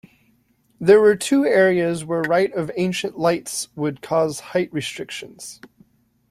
There were two areas where right of ancient lights would cause height restrictions.